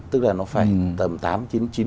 tức là nó phải tầm tám chín mươi